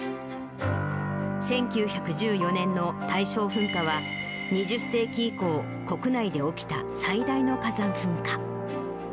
１９１４年の大正噴火は、２０世紀以降、国内で起きた最大の火山噴火。